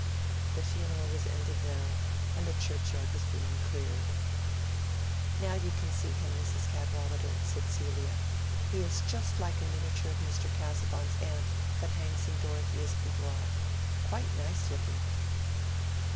The funeral was ended now, and the churchyard was being cleared. "Now you can see him, Mrs. Cadwallader," said Celia. "He is just like a miniature of Mr. Casaubon's aunt that hangs in Dorothea's boudoir—quite nice looking."